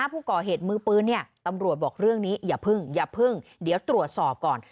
ผู้ก่อเหตุมือปืนตำรวจบอกเรื่องนี้อย่าเพิ่งอย่าพึ่งเดี๋ยวตรวจสอบก่อน